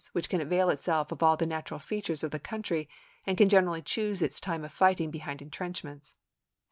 which can avail itself of all the natural features of the country and can generally choose its time of fighting behind intrenchments.